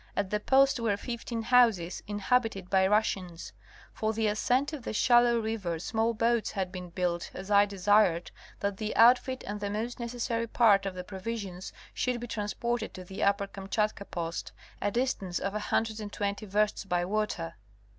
At the post were fifteen houses inhabited by Russians. For the ascent of the shallow river small boats had been built as I desired that the outfit and the most necessary part of the pro visions should be transported to the upper Kamchatka post, a dis tance of 120 versts by water.